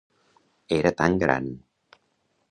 Era tan gran.